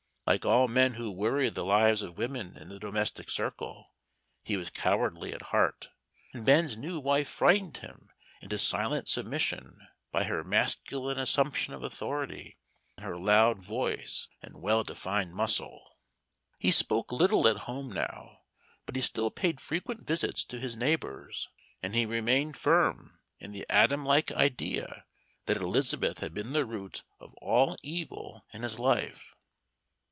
Like all men who worry the lives of women in the domestic circle, he was cowardly at heart. And Ben's new wife frightened him into silent submission by her masculine assumption of authority and her loud voice and well defined muscle. He spoke little at home now, but he still paid frequent visits to his neighbors, and he remained firm in the Adam like idea that Elizabeth had been the root of all evil in his life.